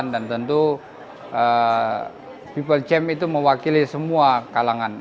dan tentu pop people's champ itu mewakili semua kalangan